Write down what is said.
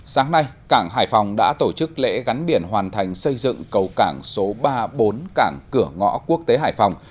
sáng nay cảng hải phòng đã tổ chức lễ gắn biển hoàn thành xây dựng cầu cảng số ba bốn cảng cửa ngõ quốc tế hải phòng